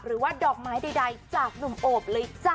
หรือว่าดอกไม้ใดจากหนุ่มโอบเลยจ้ะ